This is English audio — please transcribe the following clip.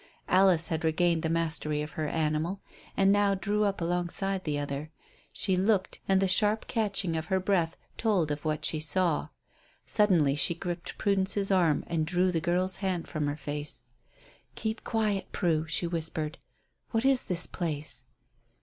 Alice had regained the mastery of her animal and now drew up alongside the other. She looked, and the sharp catching of her breath told of what she saw. Suddenly she gripped Prudence's arm and drew the girl's hand from before her face. "Keep quiet, Prue," she whispered. "What is this place?"